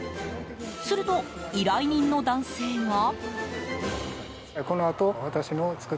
すると、依頼人の男性が。